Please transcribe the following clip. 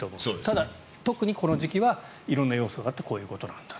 ただ、特にこの時期は色んな要素があってこういうことなんだと。